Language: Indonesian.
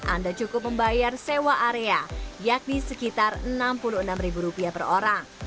anda cukup membayar sewa area yakni sekitar enam puluh enam per orang